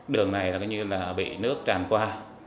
đường này là như là bị nước tràn qua